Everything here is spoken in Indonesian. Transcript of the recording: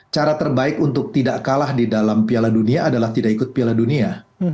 cara terbaik untuk tidak kalah di dalam piala dunia adalah tidak ikut piala dunia